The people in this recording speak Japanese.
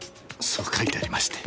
そう書いてありまして。